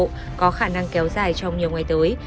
nóng nóng có khả năng kéo dài trong nhiều ngày tới